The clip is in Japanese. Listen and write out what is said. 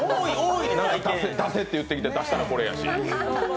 出せって言ってきて出したらこれやし。